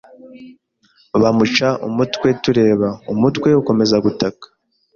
bamuca umutwe tureba, umutwe ukomeza gutaka